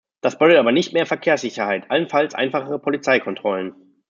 Das bedeutet aber nicht mehr Verkehrssicherheit, allenfalls einfachere Polizeikontrollen.